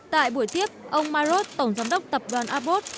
tại buổi tiếp ông maros tổng giám đốc tập đoàn abot